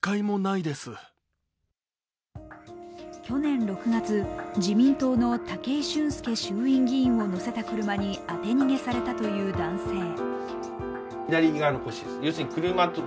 去年６月、自民党の武井俊輔衆院議員を乗せた車に当て逃げされたという男性。